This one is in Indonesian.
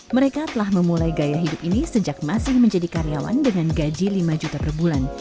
mereka telah memulai gaya hidup ini sejak masih menjadi karyawan dengan gaji lima juta per bulan